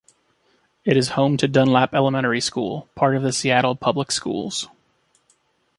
It is home to Dunlap Elementary School, part of the Seattle Public Schools.